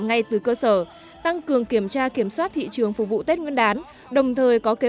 ngay từ cơ sở tăng cường kiểm tra kiểm soát thị trường phục vụ tết nguyên đán đồng thời có kế